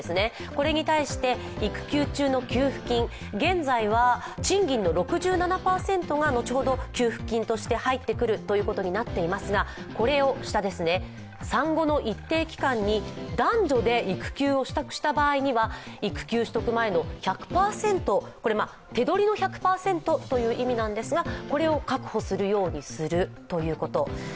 これに対して育休中の給付金、現在は賃金の６７％が後ほど、給付金として入ってくることになっていますが、これを産後の一定期間に男女で育休を取得した場合には育休取得前の１００％、これは手取りの１００％という意味なんですが、これを確保するようにするということ。